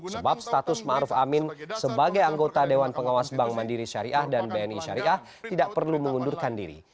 sebab status ⁇ maruf ⁇ amin sebagai anggota dewan pengawas bank mandiri syariah dan bni syariah tidak perlu mengundurkan diri